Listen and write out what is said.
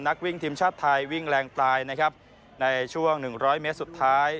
นักวิ่งทีมชาติไทยวิ่งแรงตายนะครับในช่วงหนึ่งร้อยเมตรสุดท้าย